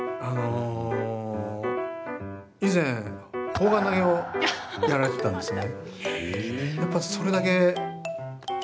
砲丸投げをやられていたんですね。